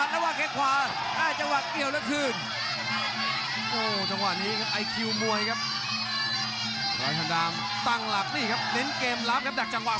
โดยท่านดามตั้งหลักนิ้นเกมล้ามกับดักจังหวะ๒